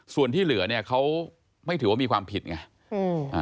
ส่วนที่เหลือเนี่ยเขาไม่ถือว่ามีความผิดไง